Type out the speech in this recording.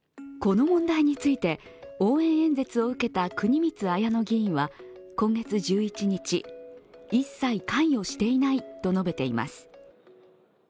この問題について応援演説を受けた国光文乃議員は今月１１日、一切関与していないと述べています。